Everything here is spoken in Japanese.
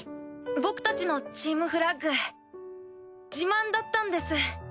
僕達のチームフラッグ自慢だったんです